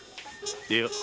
いや。